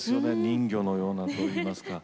人魚のようなといいますか。